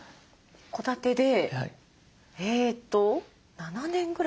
戸建でえと７年ぐらい。